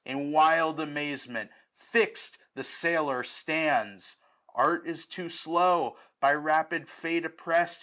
In wild amazement fix'd the sailor stands. Art is too slow : By rapid Face oppressed.